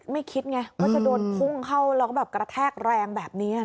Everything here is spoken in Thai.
คิดไงว่าจะโดนพุ่งเข้าแล้วก็แบบกระแทกแรงแบบนี้